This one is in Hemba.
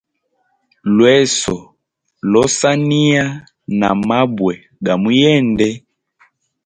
Lweso losaniya na mabwe ga muyende.